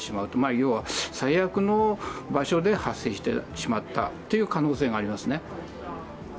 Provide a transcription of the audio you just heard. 要は最悪の場所で発生してしまった可能性があります。